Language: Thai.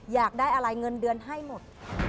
อยากได้อะไรเงินเดือนให้หมด